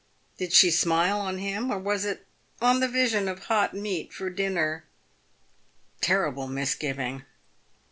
Did she smile on him, or was it on the vision of hot meat for dinner ? Terrible misgiving